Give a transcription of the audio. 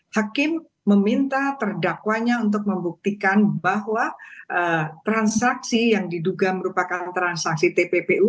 hakim meminta terdakwanya untuk membuktikan bahwa transaksi yang diduga merupakan transaksi tppu